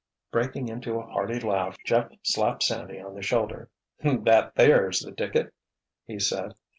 Breaking into a hearty laugh, Jeff slapped Sandy on the shoulder. "That there's the ticket," he said.